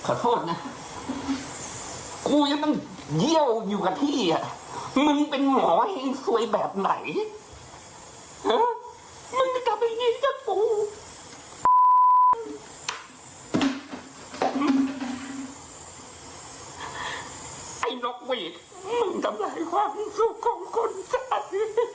ไอ้นกหวีดมึงกำไรความสุขของคนชั้น